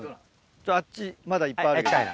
あっちまだいっぱいあるよ。